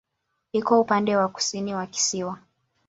Iko upande wa kusini wa kisiwa.